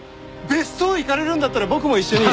別荘行かれるんだったら僕も一緒に。